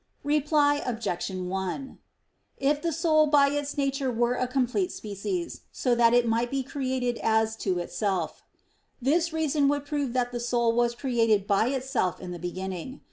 Reply Obj. 1: If the soul by its nature were a complete species, so that it might be created as to itself, this reason would prove that the soul was created by itself in the beginning.